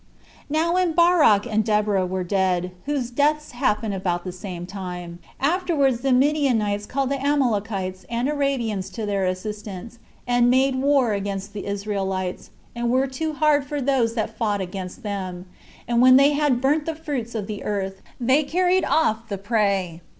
1. Now when Barak and Deborah were dead, whose deaths happened about the same time, afterwards the Midianites called the Amalekites and Arabians to their assistance, and made war against the Israelites, and were too hard for those that fought against them; and when they had burnt the fruits of the earth, they carried off the prey.